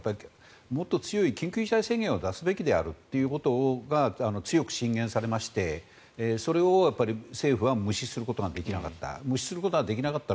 もっと強い緊急事態宣言を出すべきであるということを強く進言されましてそれを政府は無視することができなかった。